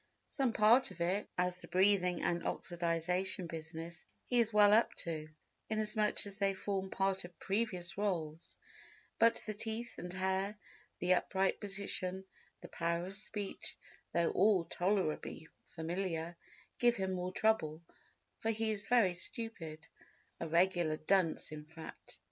Some part of it, as the breathing and oxidisation business, he is well up to, inasmuch as they form part of previous roles, but the teeth and hair, the upright position, the power of speech, though all tolerably familiar, give him more trouble—for he is very stupid—a regular dunce in fact.